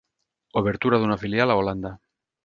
Obertura d’una filial a Holanda.